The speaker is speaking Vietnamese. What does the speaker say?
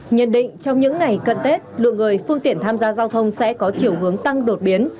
nhận định trong những ngày cận tết lượng người phương tiện tham gia giao thông sẽ có chiều hướng tăng đột biến